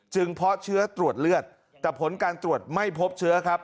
เพราะเชื้อตรวจเลือดแต่ผลการตรวจไม่พบเชื้อครับ